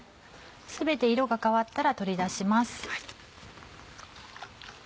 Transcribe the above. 全て色が変わったら取り出します。